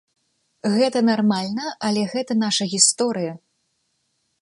Гэта нармальна, але гэта наша гісторыя.